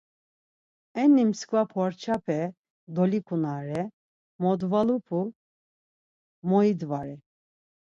Enni mskva porçape dolikunare, modvalupu moyidvare .